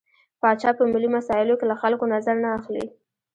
پاچا په ملي مسايلو کې له خلکو نظر نه اخلي.